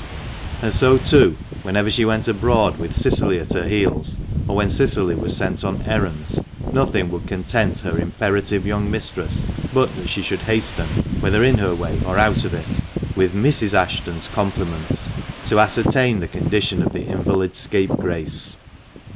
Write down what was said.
And so, too, whenever she went abroad with Cicily at her heels, or when Cicily was sent on errands, nothing would content her imperative young mistress but that she should hasten (whether in her way or out of it), with "Mrs. Ashton's compliments," to ascertain the condition of the invalid scapegrace.